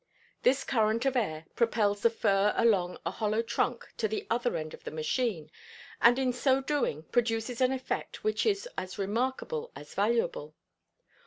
This current of air propels the fur along a hollow trunk to the other end of the machine, and in so doing produces an effect which is as remarkable as valuable.